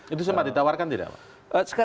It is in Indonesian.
itu semua ditawarkan tidak